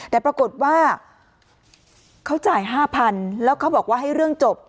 แต่ปรากฏว่าเขาจ่าย๕๐๐๐แล้วเขาบอกว่าให้เรื่องจบ